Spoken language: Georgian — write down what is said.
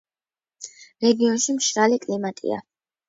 რეგიონში მშრალი კლიმატია.